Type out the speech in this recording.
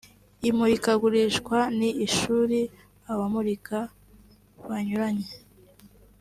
’’Imurikagurisha ni ishuri abamurika banyuranye